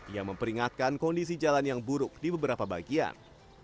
ia memperingatkan kondisi jalan yang buruk di beberapa bagian